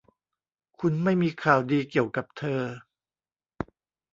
คุณไม่มีข่าวดีเกี่ยวกับเธอ